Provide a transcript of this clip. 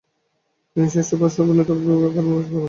তিনি শ্রেষ্ঠ পার্শ্ব অভিনেতা বিভাগে একাডেমি পুরস্কার অর্জন করেছেন।